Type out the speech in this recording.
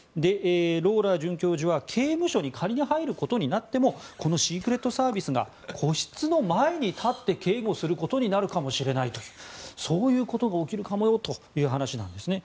ローラー准教授は、刑務所に仮に入ることになってもこのシークレットサービスが個室の前に立って警護することになるかもしれないというそういうことが起きるかもよという話なんですね。